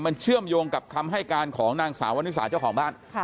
มันเชื่อมโยงกับคำให้การของนางสาววันนิสาเจ้าของบ้าน